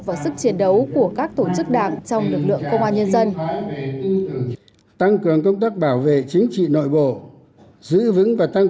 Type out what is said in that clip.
và sức chiến đấu của các tổ chức đảng